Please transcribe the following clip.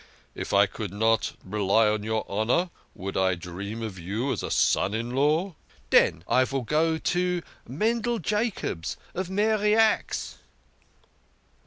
If I could not rely on your honour, would I dream of you as a son in law? "" Den I vill go to Mendel Jacobs, of Mary Axe."